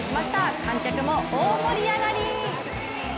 観客も大盛り上がり！